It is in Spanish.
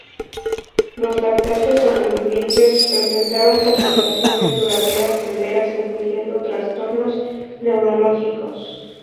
Los lactantes sobrevivientes presentaron complicaciones duraderas severas incluyendo trastornos neurológicos.